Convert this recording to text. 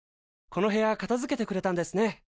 この部屋かたづけてくれたんですね。